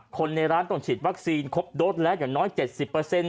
คนในร้านต้นฉีดวัคซีนครบโดสและอย่างน้อย๗๐เปอร์เซ็นต์